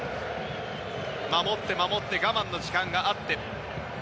守って、守って我慢の時間があって。